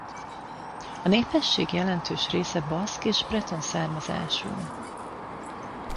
A népesség jelentős része baszk és breton származású.